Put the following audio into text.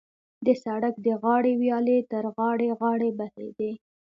د سړک د غاړې ویالې تر غاړې غاړې بهېدې.